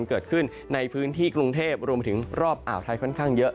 เกิดขึ้นในพื้นที่กรุงเทพรวมไปถึงรอบอ่าวไทยค่อนข้างเยอะ